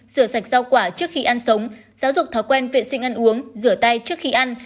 sửa sạch rau quả trước khi ăn sống giáo dục thói quen vệ sinh ăn uống rửa tay trước khi ăn